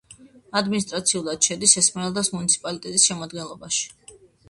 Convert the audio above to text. ადმინისტრაციულად შედის ესმერალდას მუნიციპალიტეტის შემადგენლობაში.